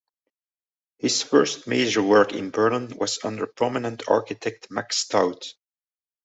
His first major work in Berlin was under prominent architect Max Taut.